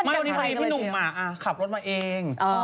มาตอนนี้พี่หนุ่มขับรถมาเอง